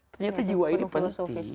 ternyata jiwa ini penting